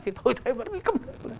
thì tôi thấy vẫn phải cấm nước